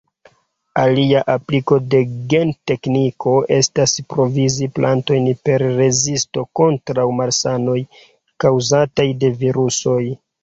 Alia apliko de gentekniko estas provizi plantojn per rezisto kontraŭ malsanoj kaŭzataj de virusoj.